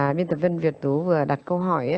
nguyên tập viên việt tú vừa đặt câu hỏi